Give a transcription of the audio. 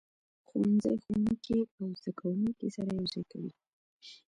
ښوونځی ښوونکي او زده کوونکي سره یو ځای کوي.